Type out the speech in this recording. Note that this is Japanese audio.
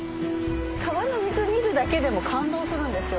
川の水見るだけでも感動するんですよ。